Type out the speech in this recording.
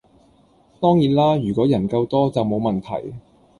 當然啦如果人夠多就冇問題